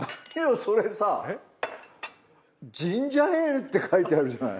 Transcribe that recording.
それさ「ジンジャーエール」って書いてあるじゃない。